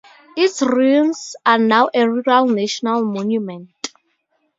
Its ruins are now a Rural National Monument.